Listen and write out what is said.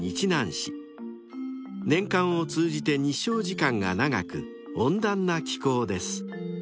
［年間を通じて日照時間が長く温暖な気候です］